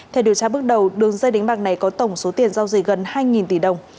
theo điều tra bước đầu đường dây đánh bạc này có tổng số tiền giao dịch gần hai tỷ đồng